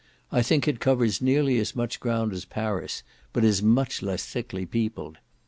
I think it covers nearly as much ground as Paris, but is much less thickly peopled.